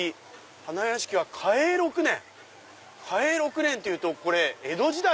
「花やしきは嘉永六年」⁉嘉永６年っていうと江戸時代。